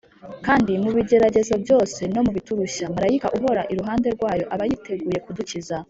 kandi mu bigeragezo byose no mu biturushya, marayika uhora iruhande rwayo aba yiteguye kudukiza